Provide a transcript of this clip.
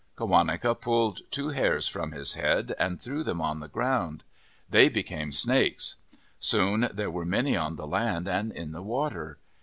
Qawaneca pulled two hairs from his head and threw them on the ground. They became snakes. Soon there were many on the land and in the water.